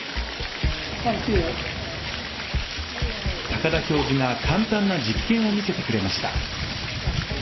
高田教授が簡単な実験を見せてくれました。